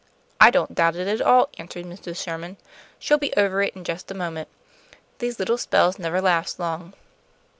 "I don't doubt it at all," answered Mrs. Sherman. "She'll be over it in just a moment. These little spells never last long."